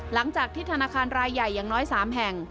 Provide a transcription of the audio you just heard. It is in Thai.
หลังจากที่ธนาคารรายใหญ่อย่างน้อย๓แห่ง